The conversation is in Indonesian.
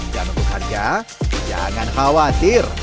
dan untuk harga jangan khawatir